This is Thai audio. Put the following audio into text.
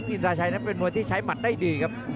อินทราชัยนั้นเป็นมวยที่ใช้หมัดได้ดีครับ